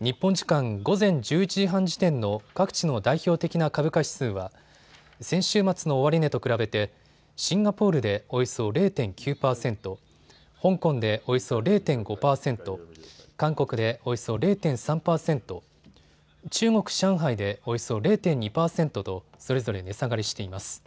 日本時間の午前１１半時点の各地の代表的な株価指数は先週末の終値と比べてシンガポールでおよそ０．９％、香港でおよそ０．５％、韓国でおよそ０．３％、中国・上海でおよそ０．２％とそれぞれ値下がりしています。